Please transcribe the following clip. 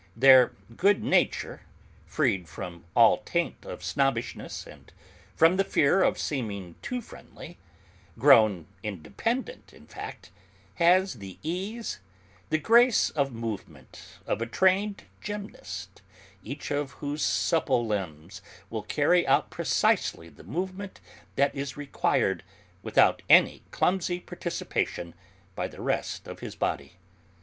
Their good nature, freed from all taint of snobbishness and from the fear of seeming too friendly, grown independent, in fact, has the ease, the grace of movement of a trained gymnast each of whose supple limbs will carry out precisely the movement that is required without any clumsy participation by the rest of his body.